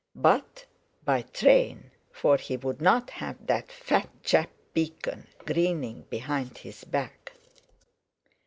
But, by train, for he would not have that fat chap Beacon grinning behind his back.